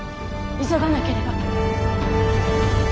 急がなければ。